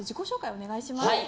お願いします。